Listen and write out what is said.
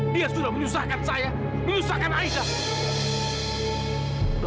dia sudah menyusahkan saya menyusahkan aisyah